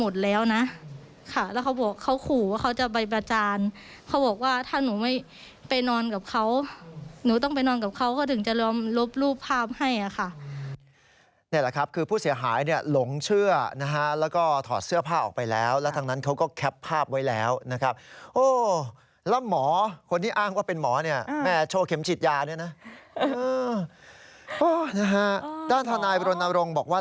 ด้านท่านายบรณารงค์บอกว่า